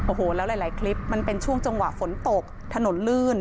โอ้โหแล้วหลายคลิปมันเป็นช่วงจังหวะฝนตกถนนลื่น